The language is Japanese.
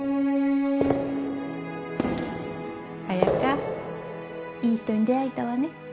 綾香いい人に出会えたわね。